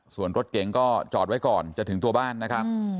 ส่วนรถเก๋งก็จอดไว้ก่อนจะถึงตัวบ้านนะครับ